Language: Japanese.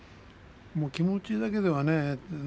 気持ちだけではね